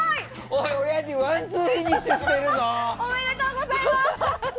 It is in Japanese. おい、親父おめでとうございます！